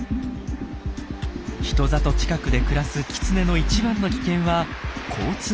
人里近くで暮らすキツネの一番の危険は交通事故。